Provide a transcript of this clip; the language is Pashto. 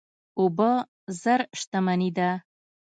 اوبه زر شتمني ده.